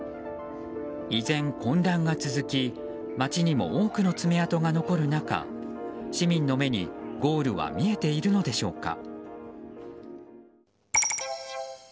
依然、混乱が続き街にも多くの爪痕が残る中市民の目にゴールは見えているのでしょうか。